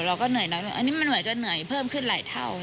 เราก็เหนื่อยน้อยอันนี้มันเหนื่อยจะเหนื่อยเพิ่มขึ้นหลายเท่า